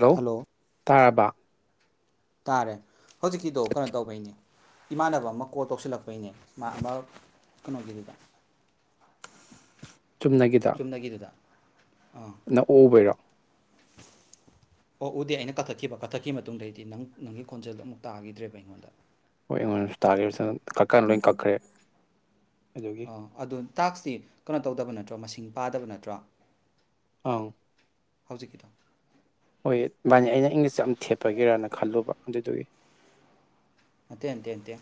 ꯂꯣ hello ꯇꯥꯔꯕ ꯇꯥꯔꯦ ꯍꯧꯖꯤꯛꯀꯤꯗꯣ ꯀꯅꯣ ꯇꯧꯕꯩꯅꯤ ꯏꯃꯥꯟꯅꯕ ꯑꯃ ꯀꯣ ꯇꯧꯁꯤꯜꯂꯛꯄꯩꯅꯦ ꯃꯥ ꯑꯃ ꯀꯅꯣꯒꯤꯗꯨꯗ ꯆꯨꯝꯅꯒꯤꯗꯨꯗ ꯑꯥ ꯅꯛ ꯑꯣꯛꯎꯕꯩꯔꯣ ꯑꯣꯛꯎꯗꯦ ꯑꯩꯅ ꯀꯛꯊꯠꯈꯤꯕ ꯀꯛꯊꯠꯈꯤꯕ ꯃꯇꯨꯡꯗꯩꯗꯤ ꯅꯪ ꯅꯪꯒꯤ ꯈꯣꯟꯖꯦꯜꯗꯣ ꯑꯃꯨꯛ ꯇꯥꯒꯤꯗꯔ꯭ꯦꯕ ꯑꯩꯉꯣꯟꯗ ꯍꯣꯏ ꯑꯩꯉꯣꯟꯗꯁꯨ [unintelligible] ꯀꯛꯀꯥꯟ ꯂꯣꯏ ꯀꯛꯈ꯭ꯔꯦ ꯑꯗꯨꯒꯤ ꯑ ꯑꯗꯨ ꯇꯥꯛꯁꯇꯤ ꯀꯅꯣ ꯇꯧꯗꯕꯅꯠ ꯇ꯭ꯔꯣ ꯃꯁꯤꯡ ꯄꯥꯗꯕ ꯅꯠꯇ꯭ꯔꯣ ꯑꯪ ꯍꯧꯖꯤꯛꯀꯤꯗꯣ ꯍꯣꯏ ꯃꯥꯅꯤ ꯑꯩꯅ ꯏꯪꯂꯤꯁ ꯌꯥꯝ ꯊꯦꯠꯄꯒꯤꯔꯅ ꯈꯜꯂꯨꯕ ꯑꯗꯨꯗꯨꯒꯤ ꯅꯠꯇꯦ ꯅꯠꯇꯦ ꯅꯠꯇꯦ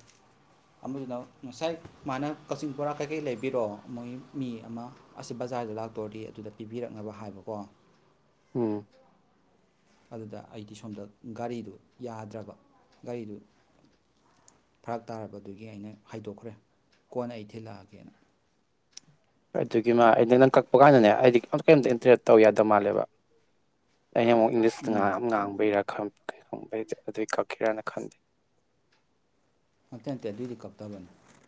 ꯑꯃꯗꯨꯅ ꯉꯁꯥꯏ ꯃꯥꯅ ꯀꯛꯆꯤꯡ ꯕꯣꯔꯥ ꯀꯩꯀꯩ ꯂꯩꯕꯤꯔꯣ ꯃꯣꯏ ꯃꯤ ꯑꯃ ꯑꯁꯤ ꯕꯖꯥꯔꯗ ꯂꯥꯛꯇꯣꯔꯗꯤ ꯑꯗꯨꯗ ꯄꯤꯕꯤꯔꯛꯅꯕ ꯍꯥꯏꯕꯀꯣ ꯎꯝ ꯑꯗꯨꯗ ꯑꯩꯗꯤ ꯁꯣꯝꯗ ꯒꯥꯔꯤꯗꯨ ꯌꯥꯗ꯭ꯔꯕ ꯒꯥꯔꯤꯗꯨ ꯐꯔꯛ ꯇꯥꯔꯕꯗꯨꯒꯤ ꯑꯩꯅ ꯍꯥꯏꯗꯣꯛꯈ꯭ꯔꯦ ꯀꯣꯟꯅ ꯑꯩ ꯊꯤꯜꯂꯛꯑꯒꯦꯅ ꯑꯗꯨꯒꯤ ꯃꯥ ꯑꯩꯅ ꯅꯪ ꯀꯛꯄ ꯀꯥꯟꯗꯅꯦ ꯑꯩꯗꯤ ꯑꯝ ꯀꯩꯝꯇ ꯏꯟꯇꯔꯦꯠ ꯇꯧ ꯌꯥꯗ ꯃꯥꯜꯂꯦꯕ ꯑꯩꯅ ꯑꯃꯨꯛ ꯏꯪꯂꯤꯁꯇ ꯉꯥ ꯎꯝ ꯌꯥꯝ ꯉꯥꯡꯕꯩꯔ [unintelligible] ꯈꯪꯕꯩꯗꯤ ꯑꯗꯨꯏ ꯀꯛꯈꯤꯔꯅ ꯈꯟꯗꯦ ꯅꯠꯇꯦ ꯅꯠꯇꯦ ꯑꯗꯨꯏꯗꯤ ꯀꯛꯇꯕꯅꯤ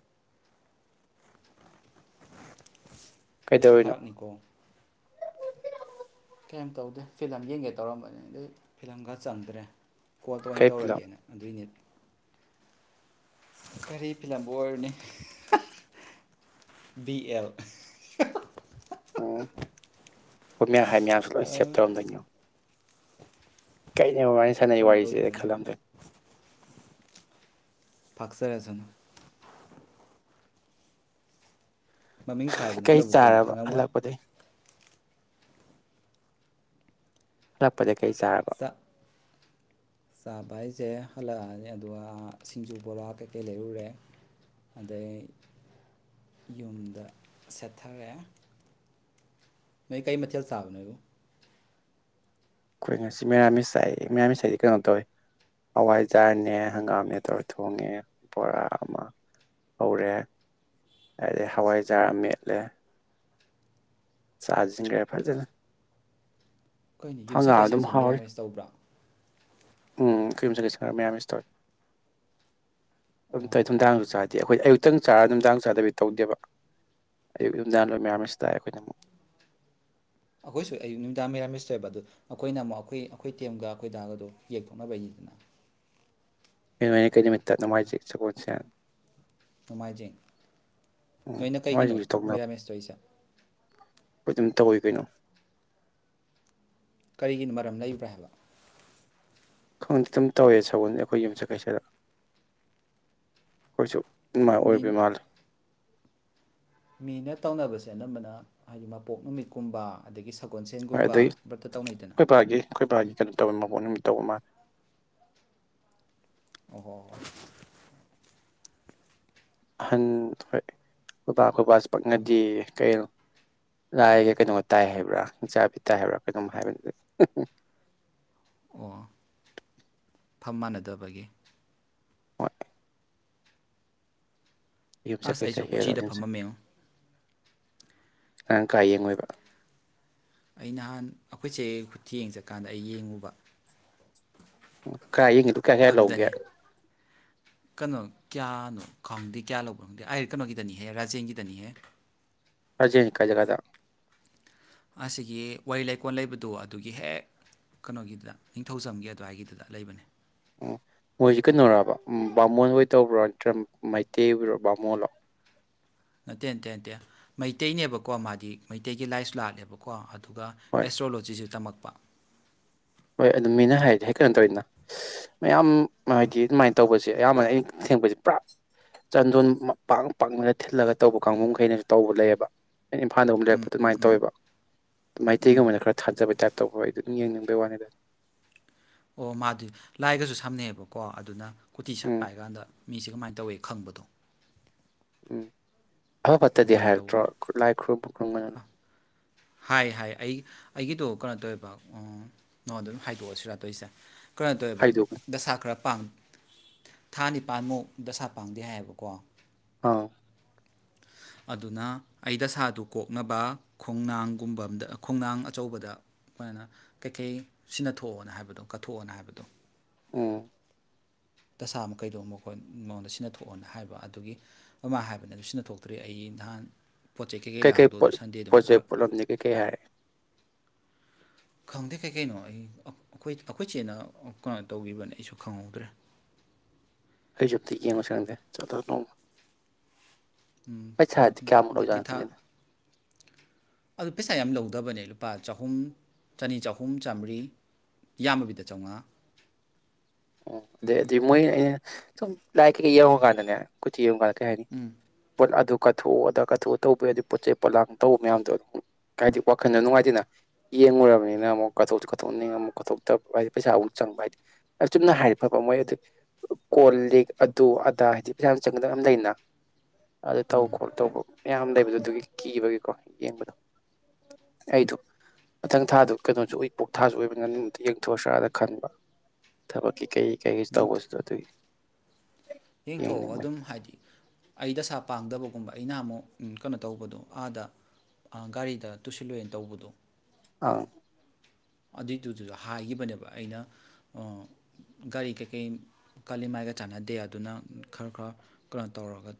ꯁꯤꯁꯨ ꯀꯩꯗꯧꯔꯤꯅꯣ ꯐꯥꯔꯛꯅꯤꯀꯣ ꯀꯩꯏꯝ ꯇꯧꯗꯦ ꯐꯤꯂꯝ ꯌꯦꯡꯒꯦ ꯇꯧꯔꯝꯕꯅꯤ ꯑꯗꯩ ꯐꯤꯂꯝꯒ ꯆꯪꯗ꯭ꯔꯦ ꯀꯣꯜ ꯇꯣꯏ ꯀꯩ ꯐꯤꯂꯝ ꯇꯧꯔꯒꯦꯅ ꯑꯗꯨꯏꯅꯤꯠ ꯀꯔꯤ ꯐꯤꯂꯝꯕꯨ ꯑꯣꯏꯔꯨꯅꯤ ꯕꯤ ꯑꯦꯜ ꯑꯣ [unintelligible] ꯍꯥꯥꯏ ꯃꯌꯥꯝꯁꯨ ꯂꯣꯏ ꯁꯦꯞ ꯇꯧꯔꯝꯗꯣꯏꯅꯤ ꯌꯣ ꯀꯩ ꯃꯕꯥꯅꯤ ꯁꯥꯟꯅ ꯇꯧꯅ ꯋꯥꯔꯤꯁꯦ ꯇꯧꯖꯔꯅꯤ ꯈꯜꯂꯝꯗꯣꯏ ꯐꯥꯥꯛꯆꯔꯖꯅꯨ ꯃꯃꯤꯡꯁꯨ ꯍꯥꯏꯕ ꯀꯩ ꯅꯠꯇꯕꯨ ꯀꯩꯅꯣ ꯆꯥꯔꯕ ꯈꯪꯉꯝꯃꯣꯏ ꯍꯜꯂꯛꯄꯗꯩ ꯂꯄꯔꯦ ꯀꯩ ꯆꯥꯔꯕ ꯆꯥꯛ ꯆꯥꯕ ꯍꯥꯏꯁꯦ ꯍꯜꯂꯛꯑꯅꯤ ꯑꯗꯨꯒ ꯁꯤꯡꯖꯨ ꯕꯣꯔꯥ ꯀꯩꯀꯩ ꯂꯩꯔꯨꯔꯦ ꯑꯗꯩ ꯌꯨꯝꯗ ꯁꯦꯠꯊꯔꯦ ꯅ ꯀꯩ ꯃꯆꯦꯜ ꯁꯥꯐꯅꯦꯕ ꯑꯩꯈꯣꯏ ꯉꯁꯤ ꯃꯩꯔꯥꯃꯤꯁꯥꯏ ꯃꯩꯔꯥꯃꯤꯁꯥꯏꯗꯤ ꯀꯩꯅꯣ ꯇꯧꯋꯤ ꯍꯋꯥꯏꯖꯥꯔꯅꯦ ꯍꯪꯒꯥꯝꯅꯦ ꯇꯧꯔ ꯊꯣꯡꯉꯦ ꯕꯣꯔꯥ ꯑꯃ ꯍꯧꯔꯦ ꯑꯗꯩ ꯍꯋꯥꯏꯖꯥꯔ ꯃꯦꯠꯂꯦ ꯆꯥꯁꯤꯡꯒꯔ ꯐꯖꯅ ꯑꯩꯈꯣꯏꯅꯤ ꯍꯪꯒꯥꯝ ꯌꯨꯝꯁꯛ ꯑꯗꯨꯝ ꯀꯩꯁꯠꯁꯦ ꯍꯥꯎꯔꯤ ꯃꯤꯔꯥꯃꯦꯁ ꯇꯧꯕ꯭ꯔꯥ ꯎꯝ ꯐꯤꯨꯝ ꯆꯒꯦ ꯁꯔ ꯃꯌꯥꯝ ꯃꯤꯁꯇ ꯑꯣ ꯊꯨꯝ ꯇꯥꯡ ꯆ ꯑꯩꯈꯣꯏ ꯑꯌꯨꯛꯇꯪ ꯆꯥꯔ ꯅꯨꯡꯗꯥꯡ ꯆꯥꯗꯕꯤ ꯇꯧꯗꯦꯕ ꯑꯌꯨꯛ ꯅꯨꯡꯗꯥꯡ ꯂꯣꯏ ꯃꯌꯥꯝꯁꯤꯗ ꯑꯩꯈꯣꯏꯅ ꯑꯃꯨꯛ ꯑꯩꯈꯣꯏꯁꯨ ꯑꯌꯨꯛ ꯅꯨꯃꯤꯗꯥꯡ ꯃꯔꯥ ꯃꯤꯁ ꯇꯣꯏꯑꯕ ꯑꯗ ꯑꯩꯈꯣꯏꯅ ꯑꯃꯨꯛ ꯑꯩꯈꯣꯏ ꯑꯩꯈꯣꯏ ꯇꯦꯝꯒ ꯑꯩꯈꯣꯏ ꯗꯥꯒꯗꯣ ꯌꯦꯡꯊꯣꯛꯅꯕꯒꯤꯗꯅ ꯑꯩꯅꯩꯅ ꯀꯩ ꯅꯨꯃꯤꯠꯇ ꯅꯨꯡꯉꯥꯏꯖꯩ ꯁꯒꯣꯜꯁꯦ ꯅꯣꯡꯃꯥꯏꯖꯤꯡ ꯎꯝ ꯅꯣꯏꯅ ꯀꯩꯒꯤꯅꯣ ꯅꯣꯡꯃꯥꯏꯖꯤꯡꯁꯨ ꯃꯤꯔꯥꯃꯦꯁꯇ ꯑꯩꯁꯦ ꯑꯩꯣꯏ ꯑꯗꯨꯝ ꯇꯧꯋꯤ ꯀꯩꯅꯣ ꯀꯔꯤꯒꯤꯅꯣ ꯃꯔꯝ ꯂꯩꯕ꯭ꯔꯥ ꯍꯥꯏꯕ ꯈꯪꯗꯦ ꯑꯗꯨꯝ ꯇꯧꯋꯦ ꯁꯒꯣꯜꯅꯤ ꯑꯩꯈꯣꯏ ꯌꯨꯝꯆꯀꯩꯁꯗ ꯑꯩꯈꯣꯏꯁꯨ ꯃꯥꯏ ꯃꯤ ꯑꯣꯏꯕꯤꯃꯥꯔ [inaudible] ꯃꯤꯅ ꯇꯧꯅꯕꯁꯦ ꯑꯅꯝꯕꯅ ꯍꯥꯏꯗꯤ ꯃꯄꯣꯛ ꯅꯨꯃꯤꯠꯀꯨꯝꯕ ꯑꯗꯒꯤ ꯍꯣꯏ ꯑꯗꯨꯩ ꯁꯒꯣꯜꯁꯦꯟꯒꯨꯝꯕ ꯕ꯭ꯔꯠꯇ ꯇꯧꯅꯩꯗꯅ ꯑꯩꯈꯣꯏ ꯄꯥꯒꯤ ꯑꯩꯈꯣꯏ ꯄꯥꯒꯤ ꯀꯩꯅꯣ ꯇ ꯄꯣꯠ ꯇꯧꯕ ꯃꯥ ꯑꯣ ꯑꯍꯟ ꯍꯣꯏ ꯈꯨꯣꯏꯕꯥ ꯈꯨꯣꯏꯕꯥꯁ ꯄꯛꯅꯗꯤ ꯀ ꯂꯥꯏꯒ ꯀꯩꯅꯣꯒ ꯇꯥꯏ ꯍꯥꯏꯕ꯭ꯔꯥ ꯏꯆꯥꯕꯤ ꯇꯥꯏ ꯍꯥꯏꯕ꯭ꯔꯥ ꯀꯩꯅꯣꯝ ꯍꯥꯏꯕ ꯑꯣ ꯐꯝ ꯃꯥꯟꯅꯗꯕꯒꯤ ꯍꯣꯏ ꯌꯨꯨꯞꯆꯥ ꯑꯁ ꯀꯩꯁꯥ ꯑꯩꯁꯨ ꯍꯦꯔ ꯎꯆꯤꯗ ꯐꯝꯃꯝꯃꯦꯉꯣ ꯑꯉꯥꯡ ꯀꯥ ꯌꯦꯡꯉꯣꯏꯕ ꯑꯩ ꯅꯍꯥꯟ ꯑꯩꯈꯣꯏꯁꯦ ꯈꯨꯠꯇ ꯌꯦꯡ ꯆꯠꯀꯥꯟꯗ ꯑꯩ ꯌꯦꯡꯉꯨꯕ [unintelligible] ꯀꯌꯥꯁꯌꯥ ꯑꯗꯨꯗꯅꯦ ꯂꯧꯒꯦ ꯀꯩꯅꯣ ꯀꯌꯥꯅꯣ ꯈꯪꯪꯗꯦ ꯀꯌꯥ ꯂꯧꯕꯣ ꯈꯪꯗꯦ ꯑꯩ ꯀꯩꯅꯣꯒꯤꯗꯅꯤꯍꯦ ꯔꯥꯖꯦꯟꯒꯤꯗꯅꯤꯍꯦ ꯑꯔꯖꯦꯟ ꯀꯖꯒꯥꯗ ꯑꯁꯤꯒꯤ ꯋꯥꯔꯤ ꯂꯩꯀꯣꯜ ꯂꯩꯕꯗꯣ ꯑꯗꯨꯒꯤ ꯍꯦꯛ ꯀꯩꯅꯣꯒꯤꯗꯨꯗ ꯅꯤꯡꯊꯧꯖꯝꯒꯤ ꯑꯗꯨꯋꯥꯏꯒꯤꯗꯨꯗ ꯂꯩꯕꯅꯦ ꯎꯝ ꯃꯣꯏꯁꯤ ꯀꯩꯅꯣꯔꯕ ꯕꯥꯃꯣꯟ ꯍꯣꯏ ꯇꯧꯕ꯭ꯔꯣ ꯅꯠꯇ꯭ꯔ ꯃꯩꯇꯩ ꯑꯣꯏꯔꯣ ꯕꯥꯃꯣꯂꯣ ꯅꯠꯇꯦ ꯅꯇꯦꯇꯦ ꯃꯩꯇꯩꯅꯦꯕꯀꯣ ꯃꯥꯗꯤ ꯃꯩꯇꯩꯒꯤ ꯂꯥꯏꯁꯨ ꯂꯥꯠꯂꯦꯕꯀꯣ ꯑꯗꯨ ꯑꯗꯨꯒ ꯍꯣꯏ ꯑꯦꯁꯇ꯭ꯔꯣꯂꯣꯖꯤꯁꯤ ꯇꯝꯃꯛ [inaudible] ꯍꯣꯏ ꯑꯗꯨ ꯃꯤꯅ ꯍꯥꯏꯔꯤꯗꯤ ꯍꯦꯛ ꯀꯩꯅꯣ ꯇꯧꯔꯤꯅ ꯃꯌꯥꯝ ꯍꯥꯏꯗꯤ ꯑꯗꯨꯃꯥꯏꯅ ꯇꯧꯕꯁꯦ ꯑꯌꯥꯝꯕꯅ ꯑꯩꯅ ꯊꯦꯡꯄꯁ ꯄꯨꯔꯥ ꯆꯟꯗꯣꯟ ꯄꯥꯛ ꯄꯥꯛꯅꯒ ꯊꯤꯜꯂꯒ ꯇꯧꯕ ꯀꯥꯡꯕꯨꯈꯩꯅꯁꯨ ꯇꯧꯕ ꯂꯩꯌꯦꯕ ꯑꯩꯅ ꯏꯝꯐꯥꯜꯗ ꯑꯨꯛ ꯂꯩꯔꯛꯄ ꯎꯝ ꯑꯗꯨꯃꯥꯏꯅ ꯎꯝ ꯇꯧꯋꯦꯕ ꯎꯝ ꯃꯩꯇꯩꯒꯨꯝꯕꯅ ꯈꯔ ꯊꯥꯖꯕꯩ ꯇꯥꯛꯄ ꯇꯧꯈ ꯑꯩ ꯑꯗꯨꯝ ꯌꯦꯡꯅꯤꯡꯕꯒꯤ ꯋꯥꯅꯤꯗ [inaudible] ꯑꯣ ꯃꯥꯗꯤ ꯂꯥꯏꯒꯁꯨ ꯁꯝꯅꯩꯑꯕꯀꯣ ꯑꯗꯨꯅ꯫ ꯀꯨꯠꯇꯤ ꯁꯠ ꯎꯝ ꯄꯥꯏ ꯀꯥꯟꯗ ꯃꯤꯁꯦ꯫ ꯀꯃꯥꯏꯅ ꯇꯧꯋꯤ ꯈꯪꯕꯗꯣ꯫ ꯎꯝ꯫ ꯑꯐ ꯐꯠꯇꯗꯤ ꯑꯗꯨꯃꯥꯏꯅ ꯍꯥꯏꯔꯛꯇ꯭ꯔꯣ ꯇꯧꯕꯅꯦ ꯈꯨ ꯂꯥꯏ ꯈꯨꯔꯨꯝꯃꯨ ꯈꯨ꯭ꯔꯝꯒꯅꯨ꯫ ꯑ ꯍꯥꯏ ꯍꯥꯏ ꯑꯩ ꯑꯩꯒꯤꯗꯣ ꯀꯩꯅꯣ ꯇꯧꯋꯦꯕ ꯅꯉꯣꯟꯗ ꯑꯗꯨꯝ ꯍꯥꯏꯗꯣꯛꯑꯁꯤꯔ ꯇꯣꯏꯁꯦ꯫ ꯀꯅꫭ ꯇꯧ ꯑꯣꯏꯕ ꯍꯥꯏꯗꯣꯛꯀꯅꯨ ꯗꯁꯥ ꯈꯔ ꯄꯥꯡ꯫ ꯊꯥ ꯅꯤꯄꯥꯟꯃꯨꯛ ꯗꯁꯥ ꯄꯥꯡꯗꯦ ꯍꯥꯏꯌꯦꯕꯀꯣ꯫ ꯑ꯫ ꯑꯗꯨꯅ ꯑꯩ ꯗꯁꯥꯥꯗꯨ ꯀꯣꯛꯅꯕ ꯈꯣꯡꯅꯥꯡꯒꯨꯝꯕ ꯑꯝꯗ ꯈꯣꯡꯅꯥꯡ ꯑꯆꯧꯕꯗ ꯑꯗꯨꯃꯥꯏꯅ ꯀꯩꯀꯩ ꯁꯤꯟꯅꯊꯣꯛꯑꯣꯅ ꯍꯥꯏꯕꯗꯣ ꯀꯠꯊꯣꯛꯑꯣꯅ ꯍꯥꯏꯕꯗꯣ꯫ ꯑꫭ꯫ ꯗꯁꯥ ꯑꯃ ꯀꯩꯗꯧꯕ ꯈꯣꯠ ꯃꯉꯣꯟꯗ ꯁꯤꯟꯅ ꯊꯣꯛꯣꯛꯑꯣꯅ ꯍꯥꯏꯕ ꯑꯗꯨꯒꯤ ꯑꯃ ꯍꯥꯏꯕꯅꯦ ꯑꯗꯨ ꯁꯤꯅ ꯊꯣꯛꯇ꯭ꯔꯤ ꯑꯩ ꯅꯍꯥꯟ꯫ ꯄꯣꯠ ꯆꯩ ꯀꯩꯀꯩ ꯀꯩ ꯀꯩ ꯂꯥꯡꯗꯣ ꯑꯗꯨ ꯄꯣꯠ ꯁꯟꯗꯦꯗꯣ ꯑꯃꯨꯛ ꯄꫭꯠꯆꯩ ꯐꯔꯛ ꯄꯣꯂꯝꯗꯤ ꯀꯩ ꯀꯩ ꯍꯥꯏ꯫ ꯈꯪꯗꯦ ꯀꯩ ꯀꯩꯅꯣ ꯑꯩ ꯑꯩꯈꯣꯏ ꯆꯦꯠꯅ ꯀꯩꯅꯣ ꯇꯧꯕꯤꯕꯅꯦ ꯑꯩꯁꯨ ꯈꯪꯍꯧꯗ꯭ꯔꯦ꯫ ꯑꯩꯁꯨ ꯑꯝꯇ ꯌꯦꯉꯨꯁꯤꯔ ꯈꯪꯗꯦ ꯆꯠꯂ ꯅꯣꯡꯃ꯫ ꯄꯩꯁꯥꯗꯤ ꯀꯌꯥꯃꯨꯛ ꯗꯀꯤ ꯑꫭꯏꯖꯥꯅꫭ ꯊꯥ ꯈꯪꯗꯦꯅꯦ꯫ ꯑꯗꯨ ꯄꯩꯁꯥ ꯌꯥꯝ ꯂꯧꯗꯕꯅꯦ ꯂꯨꯄꯥ ꯆꯍꯨꯝ ꯆꯅꯤ ꯆꯍꯨꯝ ꯆꯥꯃꯔꯤ ꯌꯥꯝꯃꯕꯤꯗ ꯆꯧꯉꯥ꯫ ꯑꯣ ꯑꯗꯩ ꯑꯗꯨꯗꯤ ꯃꯣꯏ ꯑꯩꯅ ꯁꯨꯝ ꯂꯥꯏ ꯀꯩꯀꯩ ꯌꯦꯡꯉꯨꯀꯥꯟꯗꯅꯦ ꯀꯨꯊꯤ ꯌꯦꯡꯉꯨꯀꯥꯟꯗ꯫ ꯀꯩ ꯍꯥꯏꯅꯤ ꯄꫭꯠ ꯑꯗꯨꯛ꯫ ꯀꯠꯊꯣꯛꯎ ꯑꯗ ꯀꯠꯊꯣꯛꯑꫭ ꯇꯧꯕ ꯍꯥꯏꯗꯤ ꯄꯣ ꯆꯩ ꯄꯣꯠꯂꯥꯡ ꯇꯧꯕ ꯃꯌꯥꯝꯗꯣ ꯑꯗꯨꯝ ꯀꯩꯍꯥꯏꯗꯤ ꯋꯥꯈꯜꯗ ꯅꯨꯡꯉꯥꯏꯇꯅ ꯌꯦꯡꯂꯡꯉꯨꯔꯕꯅꯤꯅ ꯑꯃꯨꯛ ꯀꯠꯊꯣꯛꯁꯨ ꯀꯠꯊꯣꯛꯅꯤꯡ ꯑꯃꯨꯛ ꯀꯠꯊꯣꯛꯇꯕ ꯍꯥꯏꯗꯤ ꯄꯩꯁꯥ ꯑꯃꯨꯛ ꯆꯪꯕ ꯍꯥꯏꯗꯤ꯫ ꯌꯥꯝ ꯆꯨꯝꯅ ꯍꯥꯏꯕ꯭ꯔꯕ ꯃꯣꯏ ꯑꯗꯨ ꯀꯣꯜ ꯂꯤꯛ ꯑꯗꯨ ꯑꯗꯥ ꯍꯥꯏꯗꯤ ꯄꯩꯁꯨ ꯆꯪꯒꯗꯕ ꯃꯌꯥꯝ ꯂꯩꯅ꯫ ꯑꯗꯨ ꯇꯧ ꯈꯣꯂ ꯇꯧꯕ꯫ ꯃꯌꯥꯝ ꯂꯩꯕꯗꯣ ꯑꯗꯨꯒꯤ ꯀꯤꯕꯒꯤꯀꯣ ꯌꯦꯡꯕꯗꯣ ꯑꯩꯗꯣ ꯃꯊꯪ ꯊꯥꯗꫭ ꯀꯩꯅꯣꯁꯨ ꯑꯩ ꯏꯄꯣꯛ ꯊꯥꯁꯨ ꯑꫭꯏꯕ [unintelligible] ꯌꯦꯡꯊꯣꯛꯁꯤꯔꯥꯅ ꯈꯟꯕ꯫ ꯊꯕꯛꯀꯤ ꯀꯩ꯫ ꯀꯩꯀꯩꯁꯤ ꯇꯧꯕꯁꯤꯗ ꯑꯗꯨꯒꯤ꯫ ꯌꯦꯡꯊꯣꯛꯑꯣ ꯌꯦꯡꯅꯤꯡꯕꯅꯤ ꯑꯗꯨꯝ ꯍꯥꯏꯗꯤ ꯑꯩ ꯗꯁꯥ ꯄꯥꯡꯗꯕꯒꯨꯝꯕ ꯑꯩꯅ ꯑꯃꯨꯛ꯫ ꯎꯝ ꯀꯩꯅꯣ ꯇꯧꯕꯗꯣ ꯑꯥꯗ ꯒꯥꯔꯤꯗ ꯇꯨꯁꯤꯜꯂꯨꯏꯅ ꯇꯧꯕꯗꫭ꯫ ꯑꯥ꯫ ꯑꯗꯨꯏꯗꯨꯗꯨꯁꯨ ꯍꯥꯏꯈꯤꯕꯅꯦꯕ ꯑꯩꯅ ꯑ ꯒꯥꯔꯤ ꯀꯩꯀꯩ ꯀꯥꯂꯤꯃꯥꯏꯒ ꯆꯥꯟꯅꯗꯦ ꯑꯗꯨꯅ ꯈꯔ ꯈꯔ ꯀꯩꯅꯣ ꯇꯧꯔꯒ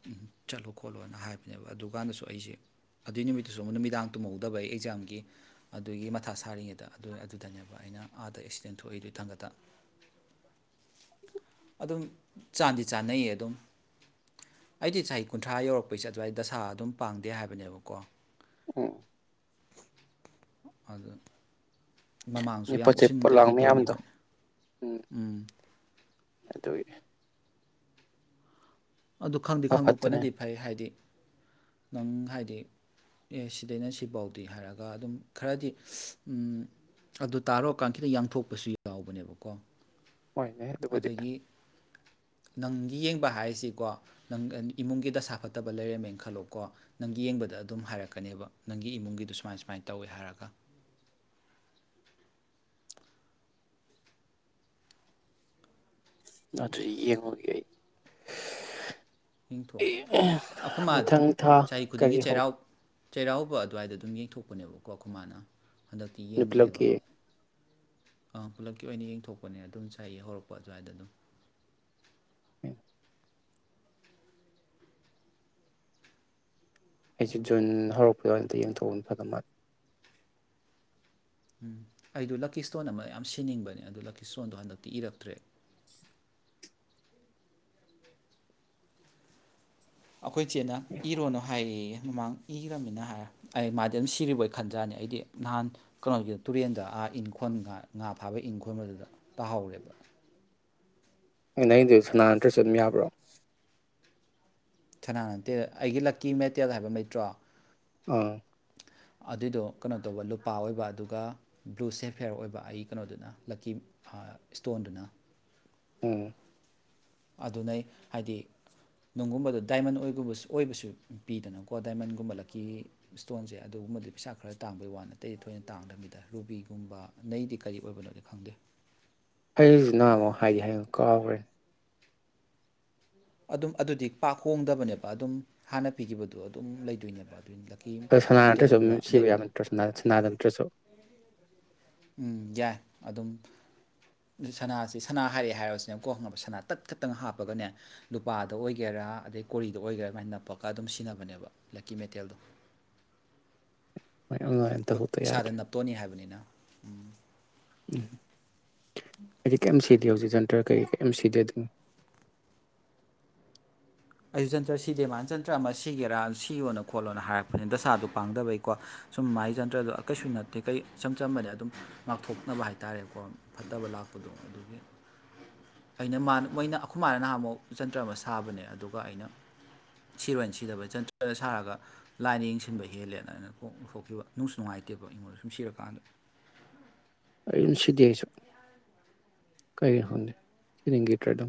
ꯆꯠꯂꯣ ꯈꯣꯠꯂꯣꯅ ꯍꯥꯏꯕꯅꯦꯕ ꯑꯗꯨꯀꯥꯟꯗꯁꯨ ꯑꯩꯁꯦ ꯑꯗꯨꯏ ꯅꯨꯃꯤꯠꯇꯨꯁꯨ ꯑꯃ ꯅꯨꯃꯤꯗꯥꯡ ꯇꯨꯝꯍꯧꯗꯕ ꯑꯩ ꯑꯦꯛꯖꯥꯝꯒꯤ ꯑꯗꯨꯒꯤ ꯃꯊꯥ ꯁꯥꯔꯤꯉꯩꯗ꯫ ꯑꯗꯨ ꯑꯗꯨꯗꯅꯦꯕ ꯑꯩꯅ ꯑꯥꯗ ꯑꯦꯛꯁꯤꯗꯦꯟ ꯊꯣꯛꯏꯗꯨ ꯏꯊꯟꯈꯇ ꯑꯗꯨꯝ ꯆꯥꯟꯗꯤ ꯆꯥꯟꯅꯩꯌꯦ ꯑꯗꯨꯝ ꯑꯩꯗꯤ ꯆꯍꯤ ꯀꯨꯟꯊ꯭ꯔꯥ ꯌꯧꯔꯛꯄꯩ ꯆꯠ꯫ ꯑꯗꯨꯋꯥꯏ ꯗꯁꯥ ꯑꯗꯨꯝ ꯄꯥꯡꯗꯦ ꯍꯥꯏꯕꯅꯦꯕꯀꯣ꯫ ꯎꯝ꯫ ꯑꯗ꯫ ꯃꯃꯥꯡꯁꯨ ꯌꯥꯝ ꯄꯣꯠ ꯆꯩ ꯎꯁꯤꯟ ꯄꯣꯠꯂꯥꯡ ꯀꯩꯀꯩ ꯃꯌꯥꯝꯗꯣ ꯇꯧꯒꯤꯈꯤꯕꯅꯤ꯫ ꯎꯝ꯫ ꯑꯗꯨꯒꯤ꯫ ꯑꯗꯨ ꯈꯪꯗꯤ ꯐ ꯐꯠꯇꯕꯅꯦ ꯈꯪꯗꯣꯛꯄꯅꯗꯤ ꯐꯩ ꯍꯥꯏꯗꯤ ꯅꯪ ꯍꯥꯏꯗꯤ꯫ ꯍꯥꯏꯗꯤ ꯑꯦ ꯁꯤꯗꯩꯅ ꯁꯤꯐꯥꯎꯗꯤ ꯍꯥꯏꯔꯒ ꯑꯗꯨꯝ ꯈꯔꯗꯤ ꯑꯗꯨ ꯇꯥꯔꯣꯑꯀꯥꯟ ꯈꯤꯇꯪ ꯌꯥꯡꯊꯣꯛꯄꯁꯨ ꯌꯥꯎꯕꯅꯦꯕꯀꯣ ꯍꯣꯏꯅꯦ ꯑꯗꯨꯕꯨ ꯍꯧꯖꯤꯛ ꯑꯗꯒꯤ ꯅꯪꯒꯤ ꯌꯦꯡꯕ ꯍꯥꯏꯔꯤꯁꯤ ꯀꯣ ꯅꯪ ꯏꯃꯨꯡꯒꯤꯗꯁꯥ ꯐꯠꯇꯕ ꯂꯩꯔꯝꯃꯦꯅ ꯈꯜꯂꯣꯀꯣ ꯅꯪꯒꯤ ꯌꯦꯡꯕꯗ ꯑꯗꯨꯝ ꯍꯥꯏꯔꯛꯀꯅꯦꯕ ꯅꯪꯒꯤ ꯏꯃꯨꯡꯒꯤꯗꯣ ꯁꯨꯃꯥꯏ ꯁꯨꯃꯥꯏꯅ ꯇꯧꯋꯦ ꯍꯥꯏꯔꯒ ꯑꯗꯨꯗꯤ ꯌꯦꯡꯉꯨꯒ ꯑꯩ ꯌꯦꯡꯊꯣꯛꯑꯣ ꯑꯩꯈꯣꯏ ꯃꯥ ꯃꯊꯪ ꯊꯥ ꯆꯍꯤ ꯈꯨꯗꯤꯡꯒꯤ ꯀꯔꯤ ꯍꯧ ꯆꯩꯔꯥꯎ ꯆꯩꯔꯥꯎꯕ ꯑꯗꯨꯋꯥꯏꯗ ꯑꯗꯨꯝ ꯌꯦꯡꯊꯣꯛꯄꯅꯦꯕꯀꯣ ꯈꯨꯈꯃꯥꯅ ꯍꯟꯗꯛꯇꯤ ꯌꯦꯡꯗꯦꯕ ꯄꯨꯂꯞꯀꯤ ꯑꯥ ꯄꯨꯂꯞꯀꯤ ꯑꯣꯏꯅ ꯌꯦꯡꯊꯣꯛꯄꯅꯦ ꯑꯗꯨꯝ ꯆꯥꯏꯌꯦ ꯍꯧꯔꯛꯄ ꯑꯗꯨꯋꯥꯏꯗ ꯑꯗꯨꯝ ꯎꯝ ꯑꯩꯁꯦ ꯖꯨꯟ ꯍꯧꯔꯛꯄꯗ ꯑꯗ ꯌꯦꯡꯊꯣꯛꯑꯅꯤ ꯐꯗ ꯃꯥꯜꯜꯂꯤꯦ ꯎꯝ ꯑꯩꯗꯣ ꯂꯛꯀꯤ ꯏꯁꯇꯣꯟ ꯑꯃ ꯌꯥꯝ ꯁꯤꯅꯤꯡꯕꯅꯦ ꯑꯗꯨ ꯂꯛꯀꯤ ꯏꯁꯇꯣꯟꯗꯣ ꯍꯟꯗꯛꯇꯤ ꯏꯔꯛꯇ꯭ꯔꯦ ꯑꯩꯈꯣꯏ ꯆꯦꯅ ꯏꯔꯣꯅꯨ ꯍꯥꯏꯌꯦ ꯑꯦ ꯃꯃꯥꯡ ꯏꯈ꯭ꯔꯅꯤꯅ ꯍꯥꯏꯔ ꯑꯩ ꯃꯥꯗꯤ ꯑꯗꯨꯝ ꯁꯤꯔꯤꯕꯣꯏ ꯈꯟꯖꯥꯠꯅꯤ ꯑꯩꯗꯤ ꯅꯍꯥꯟ ꯀꯩꯅꯣꯒꯤꯗ ꯇꯨꯔꯦꯟꯗ ꯑꯥ ꯏꯪꯈꯣꯜ ꯉꯥ ꯉꯥ ꯐꯥꯕ ꯏꯪꯈꯣꯜ ꯑꯗꯨꯗ ꯇꯥꯍꯧꯔꯦꯕ ꯅꯑꯩꯗ ꯁꯅꯥ ꯅꯠꯇ꯭ꯔ ꯆꯠ ꯌꯥꯕ꯭ꯔꯣ ꯁꯅꯥ ꯅꯠꯇꯦ ꯑꯩꯒꯤ ꯂꯛꯀꯤ ꯃꯦꯇꯦꯜ ꯍꯥꯏꯕ ꯂꯩꯇ꯭ꯔꯣ ꯑꯥ ꯑꯗꯨꯏꯗꯣ ꯀꯩꯅꯣ ꯇꯧꯕ ꯂꯨꯄꯥ ꯑꯣꯏꯕ ꯑꯗꯨꯒ ꯕ꯭ꯂꯨ ꯁꯦꯐꯦꯌꯔ ꯑꯣꯏꯕ ꯑꯩ ꯀꯩꯅꯣꯗꯨꯅ ꯂꯛꯀꯤ ꯏꯁꯇꯣꯟꯗꯨꯅ ꯎꯝ ꯑꯗꯨ ꯅꯩ ꯍꯥꯏꯗꯤ ꯅꯨꯡꯒꯨꯝꯕꯗꯣ ꯗꯥꯏꯃꯟ ꯑꯣꯏꯒꯨꯝꯕ ꯑꯣꯏꯕꯁꯨ ꯄꯤꯗꯅꯀꯣ ꯗꯥꯏꯃꯟꯒꯨꯝꯕꯂꯛꯀꯤ ꯏꯁꯇꯣꯟꯁꯦ ꯑꯗꯨꯒꯨꯝꯕꯗꯤ ꯄꯩꯁꯥ ꯈꯔ ꯇꯥꯡꯕꯩ ꯋꯥ ꯅꯠꯇꯦꯗꯤ ꯊꯣꯏꯅ ꯇꯥꯡꯗꯕꯤꯗ ꯔꯨꯕꯤꯒꯨꯝꯕ ꯅꯩꯗꯤ ꯀꯔꯤ ꯑꯣꯏꯕꯅꯣꯗꯤ ꯈꯪꯗꯦ ꯍꯁꯤ ꯅꯃꯣ ꯍꯥꯏꯗꯤ ꯍꯥꯏꯉꯨ ꯀꯥꯎ꯭ꯔꯦꯅꯦ ꯑꯗꯨꯝ ꯑꯗꯨꯗꯤ ꯄꯥꯛ ꯍꯣꯡꯗꯕꯅꯦꯕ ꯑꯗꯨꯝ ꯍꯥꯟꯅ ꯄꯤꯈꯤꯕꯗꯣ ꯑꯗꯨꯝ ꯂꯩꯗꯣꯏꯅꯦꯕ ꯑꯗꯨ ꯑ ꯁꯅꯥ ꯅꯠꯇ꯭ꯔꯁꯨ ꯁꯤꯕ ꯌꯥ ꯅꯠꯇ꯭ꯔꯁꯨ ꯁꯅꯥꯗ ꯅꯠꯇ꯭ꯔꯁꯨ ꯎꯝ ꯌꯥꯏ ꯑꯗꯨꯝ ꯁꯅꯥꯁꯤ ꯁꯅꯥ ꯍꯥꯏꯔꯛꯑꯦ ꯍꯥꯏꯔꯁꯤꯅꯦꯕꯀꯣꯪꯕ ꯁꯅꯥ ꯇꯠ ꯈꯠꯇꯪ ꯍꯥꯞꯄꯒꯅꯦ ꯂꯨꯄꯥꯗ ꯑꯣꯏꯒꯦꯔꯥ ꯑꯗꯩ ꯀꯣꯔꯤꯗ ꯑꯣꯏꯒꯦꯔꯥ ꯑꯗꯨꯃꯥꯏꯅ ꯅꯞꯄꯒ ꯑꯗꯨꯝ ꯁꯤꯖꯤꯟꯅꯕꯅꯦꯕ ꯂꯛꯀꯤ ꯃꯦꯇꯦꯜꯗꯣ ꯃꯥꯏ ꯑꯣꯟꯂꯥꯏꯟ ꯈꯨꯠ ꯇꯧꯊꯣꯛꯇ ꯏꯁꯥꯗ ꯌꯥꯗ꯭ꯔꯦ ꯅꯞꯇꯣꯅꯤ ꯍꯥꯏꯕꯅꯤꯅ ꯎꯝ [unintelligible] ꯁꯤꯗꯤ ꯍꯧꯖꯤꯛ ꯟꯇꯔ ꯀꯩ ꯑꯦꯝ ꯁꯤꯗꯤ ꯑꯗꯨ ꯑꯩ ꯖꯟꯇ꯭ꯔ ꯁꯤꯗꯦ ꯃꯥꯅ ꯟꯇ꯭ꯔ ꯑꯃ ꯁꯤꯒꯦꯔꯥ ꯁꯤꯌꯣꯅ ꯈꯣꯠꯂꯣꯅ ꯍꯥꯏꯔꯛꯄꯅꯦ ꯗꯁꯥꯗꯣ ꯄꯥꯡꯗꯕꯩꯀꯣ ꯁꯨꯝ ꯃꯥꯒꯤ ꯟꯇ꯭ꯔꯗꯣ ꯀꯩꯁꯨ ꯅꯠꯇꯦ ꯀꯩ ꯏꯆꯝ ꯆꯝꯕꯅꯦ ꯑꯗꯨꯝ ꯉꯥꯛꯊꯣꯛꯅꯕ ꯍꯥꯏꯇꯥꯥꯔꯦꯀꯣ ꯐꯠꯇꯕ ꯂꯥꯛꯄꯗꯣ ꯑꯗꯨꯒꯤ ꯑꯩꯅ ꯃꯥ ꯃꯣꯏꯅ ꯑꯩꯈꯣꯏ ꯃꯥꯅ ꯅꯍꯥꯟ ꯑꯃꯨꯛ ꯟꯇ꯭ꯔ ꯑꯃ ꯁꯥꯕꯅꯦ ꯑꯩꯅ ꯁꯤꯔꯣꯏꯅ ꯁꯤꯗꯕ ꯆꯟ ꯁꯥꯔꯒ ꯂꯥꯏꯅ ꯌꯦꯡꯁꯤꯟꯕ ꯍꯦꯜꯂꯦꯅ ꯑꯩꯅ ꯊꯣꯛꯈꯤꯕ ꯅꯨꯡꯁꯨ ꯅꯨꯡꯉꯥꯏꯇꯦꯕ ꯑꯩꯉꯣꯟꯗ ꯁꯨꯝ ꯁꯤꯔꯀꯥꯟꯗ ꯀꯩꯅ ꯁꯤꯗꯤꯤꯌꯥꯁ ꯀꯦꯦꯇꯗꯝ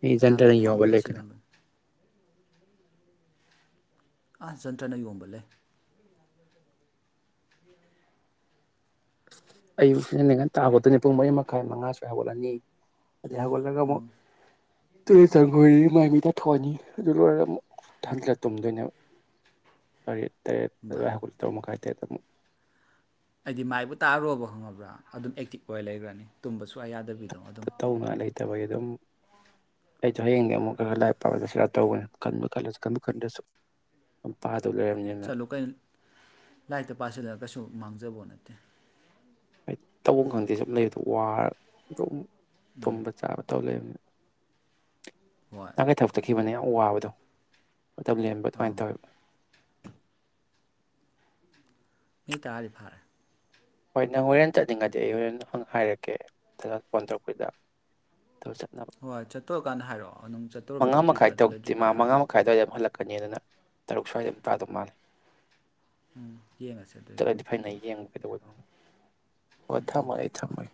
ꯃꯤ ꯅꯍꯥꯟꯋꯥꯏ ꯆꯟꯇꯔ ꯈ꯭ꯋꯥꯡꯗꯒ ꯌꯣꯒꯠꯂꯦ ꯀ ꯁꯤꯔꯝꯕꯅꯤ ꯑꯥ ꯁꯟꯇ꯭ꯔꯅ ꯌꯣꯟꯕꯂꯦ ꯑꯌꯨꯛ ꯏꯅꯤꯡꯉꯟ ꯇꯥꯕꯗꯨꯅꯤ ꯄꯨꯡ ꯃꯔꯤ ꯃꯈꯥꯏ ꯃꯉꯥ ꯁ ꯍꯧꯒꯠꯂꯅꯤ ꯑꯗꯤꯍꯒꯂꯒ ꯑꯃꯛ ꯎꯝ ꯇꯨꯔꯦꯠ ꯆꯪꯈꯣꯏ ꯃꯥꯏ ꯃꯤꯗ ꯊꯣꯛꯣꯛꯑꯅꯤ ꯑꯗꯨ ꯂꯣꯏꯔꯒ ꯑꯃꯨꯛ ꯍꯟꯖꯤꯂ ꯇꯨꯝꯗꯣꯏꯅꯦꯕ ꯇꯔꯦꯠ ꯏꯃꯥ ꯍꯥꯏꯒ ꯇꯔ ꯃꯈ [inaudible] ꯑꯩꯗꯤ ꯃꯥꯏꯕꯨ ꯇꯥꯔꯔꯨꯕ ꯈꯪꯉꯕ꯭ꯔꯥ ꯑꯗꯨꯝ ꯑꯦꯛꯇꯤꯚ ꯑꯣꯏ ꯂꯩꯈ꯭ꯔꯅꯤ ꯇꯨꯝꯕꯁꯨ ꯑꯌꯥꯗꯕꯤꯗ ꯐꯠꯇꯧ ꯃꯥꯂꯦ ꯐꯠꯇꯕꯒꯤ ꯑꯗꯨꯝ ꯑꯩꯁꯨ ꯍꯌꯦꯡꯗꯤ ꯑꯃꯨꯛ ꯈ ꯈꯔ ꯂꯥꯏꯔꯤꯛ ꯄꯥꯕꯗ ꯁꯤꯗ ꯇꯧꯕꯒꯅꯤ ꯈꯟꯕ ꯈꯜꯂꯁꯨ ꯈꯟꯕ ꯈꯟꯗꯁꯨ ꯆꯠꯂꯨ ꯀꯩꯅ ꯂꯥꯏꯔꯤꯛꯇ ꯄꯥꯁꯤꯜꯂꯒ ꯀꯩꯁꯨ ꯃꯥꯡꯖꯕꯣꯠꯅꯠꯇꯦ ꯠꯇ ꯍꯥꯏꯗꯤ ꯇꯧꯕ ꯈꯪꯗꯦ ꯁꯨꯝ ꯂꯩꯕꯗꯣ ꯋꯥꯔ ꯇꯨꯝꯕ ꯆꯥꯕ ꯇꯧ ꯂꯩꯕꯅꯦ ꯍꯣꯏ ꯇ ꯀꯩ ꯊ ꯍꯞꯛꯇ ꯀꯕꯅꯦ ꯑ ꯋꯥꯕꯗꯣ ꯃꯇꯝ ꯂꯦꯟꯕ ꯑꯗꯨꯃꯥꯏꯅ ꯑꯪ ꯇꯧꯋꯦꯕ ꯃꯤ ꯇꯥꯔ ꯐꯥꯔꯦ ꯍꯣꯏ ꯅꯪ ꯍꯣꯔꯦꯟ ꯆꯠꯅꯤꯡꯉꯗꯤ ꯑꯩ ꯍꯣꯔꯦꯟ ꯍꯪ ꯍꯥꯏꯔꯛꯀꯦ ꯑꯗꯨ ꯐꯣꯟ ꯇꯧꯔꯛꯄꯗ ꯍꯣꯏ ꯆꯠꯇꯣꯔꯀꯥꯟꯗ ꯍꯥꯏꯔꯛꯑꯣ ꯑꯗꯨꯝ ꯆꯠꯇꯔꯨꯕ ꯃꯉꯥ ꯆꯠꯇꯣꯏ ꯃꯈꯥꯏ ꯇꯧꯛꯇꯦ ꯃꯥ ꯆꯠꯂꯣꯏꯗ꯭ꯔꯤꯕ ꯃꯉꯥ ꯍꯥꯏꯔꯣ ꯃꯈꯥꯏ ꯍꯥꯏꯐꯦꯠ ꯑꯗꯨꯋꯥꯏꯗ ꯑꯗꯨꯝ ꯍꯜꯂꯛꯀꯅꯤ ꯑꯗꯨꯅ ꯇꯔꯨꯛ ꯁ꯭ꯋꯥꯏꯗ ꯑꯃꯨ ꯇꯥ ꯑꯗꯨꯝ ꯃꯥꯜꯂꯦ ꯎꯝ ꯌꯦꯡꯉꯁꯦ ꯑꯗꯨꯏꯒ ꯆꯠꯂꯗꯤ ꯐꯅ ꯌꯦꯡꯕ ꯀꯩꯗꯧꯕꯗꯧꯕꯣ ꯑꯣ ꯊꯃꯥꯏ ꯍꯣꯏ ꯊꯃꯣꯏ